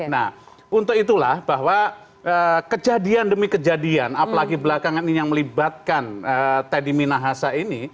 nah untuk itulah bahwa kejadian demi kejadian apalagi belakangan ini yang melibatkan teddy minahasa ini